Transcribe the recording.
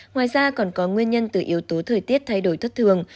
ngoài ra còn có nguyên nhân từ yếu tố thời tiết thay đổi thất thường